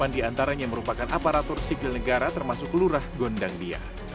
delapan di antaranya merupakan aparatur sikl negara termasuk kelurah gondangdia